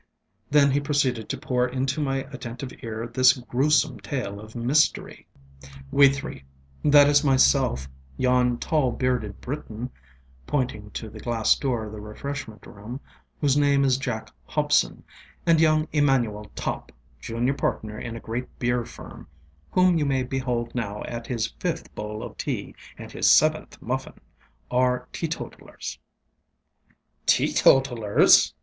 ŌĆØ Then he proceeded to pour into my attentive ear this gruesome tale of mystery: ŌĆ£We threeŌĆöthat is, myself, yon tall bearded Briton, ŌĆØ pointing to the glass door of the refreshment room, ŌĆ£whose name is Jack Hobson, and young Emmanuel Topp, junior partner in a great beer firm, whom you may behold now at his fifth bowl of tea and his seventh muffinŌĆöare teetotallersŌĆöŌĆöŌĆØ ŌĆ£Teetotallers!